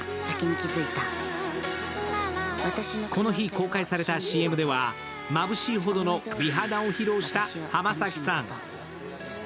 この日公開されたＣＭではまぶしいほどの美肌を披露した浜崎さん。